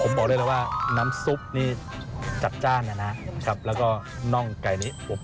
ผมบอกเลยนะว่าน้ำซุปนี่จัดจ้านนะครับแล้วก็น่องไก่นี้ผม